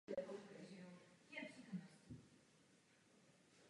Vedle toho je doloženo více budov s obytnou i hospodářskou funkcí.